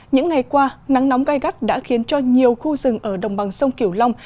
những ngày qua nắng nóng gai gắt đã khiến cho nhiều khu rừng ở đồng bằng sông kiểu long